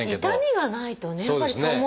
痛みがないとね